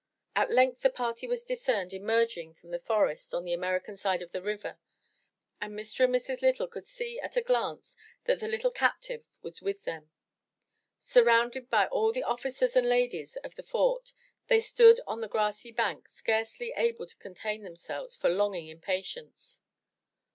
At length the party was discerned emerging from the forest on the American side of the river, and Mr. and Mrs. Lytle could see at a glance that the little captive was with them. Surrounded by all the officers and ladies of the fort, they stood on the grassy bank, scarce able to contain them selves for longing impatience.